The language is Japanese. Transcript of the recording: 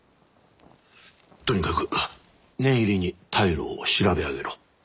とにかく念入りに退路を調べ上げろ。